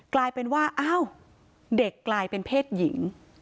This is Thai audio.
กลายเป็นว่าอ้าวเด็กกลายเป็นเพศหญิง